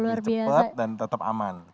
lebih cepat dan tetap aman